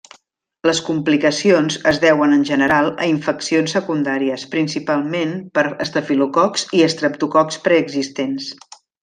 Les complicacions es deuen en general a infeccions secundàries, principalment per estafilococs i estreptococs preexistents.